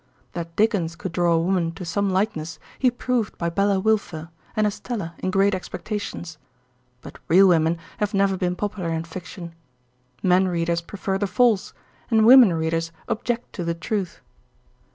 That Dickens could draw a woman to some likeness he proved by Bella Wilfer, and Estella in "Great Expectations." But real women have never been popular in fiction. Men readers prefer the false, and women readers object to the truth.